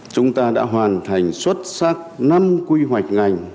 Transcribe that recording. chúng ta đã hoàn thành xuất sắc năm quy hoạch ngành